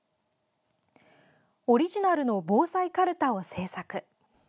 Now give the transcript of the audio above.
オリジナルの防災カルタを制作。